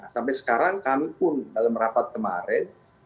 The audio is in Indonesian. sampai sekarang kami pun dalam rapat kemarin